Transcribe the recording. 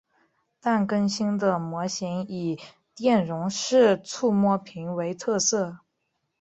但更新的模型以电容式触摸屏为特色。